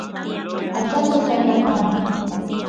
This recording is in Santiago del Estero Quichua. achacha chayna kan